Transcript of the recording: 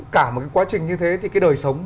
cả một cái quá trình như thế thì cái đời sống